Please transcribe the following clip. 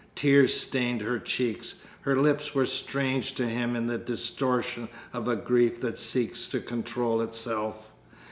Tears stained her cheeks. Her lips were strange to him in the distortion of a grief that seeks to control itself.